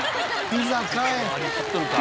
ピザかい！